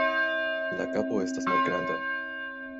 La kapo estas malgranda.